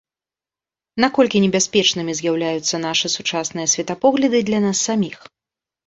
Наколькі небяспечнымі з'яўляюцца нашы сучасныя светапогляды для нас саміх.